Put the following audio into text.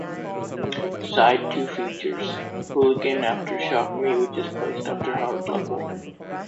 Side two features "Hooligan" after "Shock Me", which is placed after "Hard Luck Woman".